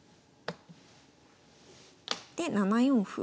で７四歩。